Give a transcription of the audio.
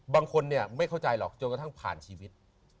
บางคนเนี่ยไม่เข้าใจหรอกจนกระทั่งผ่านชีวิต